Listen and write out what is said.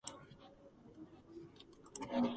აგრეთვე ცნობილია, როგორც ჯორჯ ვაშინგტონის დაბადების დღე.